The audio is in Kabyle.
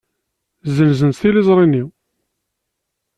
Ssenzent tiliẓri-nni.